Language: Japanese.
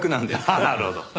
ああなるほど。